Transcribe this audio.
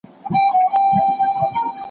وړتیا پیداکول د اوسني عصر ضرورت دئ.